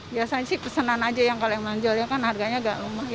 biasanya sih pesanan aja yang kalau yang manjol ya kan harganya agak lumayan